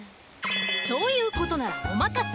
そういうことならお任せ！